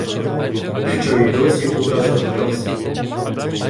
Що й досі тута загулявсь?